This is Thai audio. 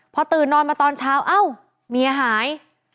พอตื่นนอนมาตอนเช้าเอ้าเมียหาย